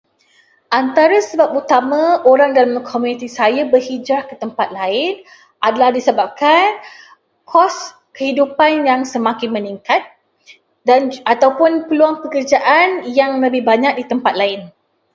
Antara sebab utama orang dalam komuniti saya berhijrah ke tempat lain adalah disebabkan kos kehidupan yang semakin meningkat dan-ataupun peluang pekerjaan yang lebih banyak di tempat lain.